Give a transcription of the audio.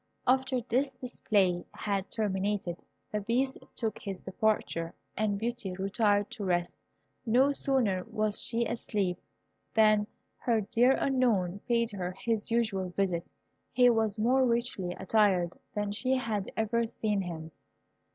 After this display had terminated, the Beast took his departure, and Beauty retired to rest. No sooner was she asleep than her dear Unknown paid her his usual visit. He was more richly attired than she had ever seen him.